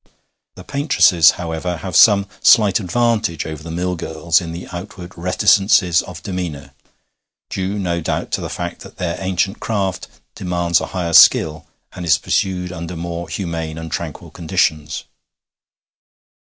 The paintresses, however, have some slight advantage over the mill girls in the outward reticences of demeanour, due no doubt to the fact that their ancient craft demands a higher skill, and is pursued under more humane and tranquil conditions.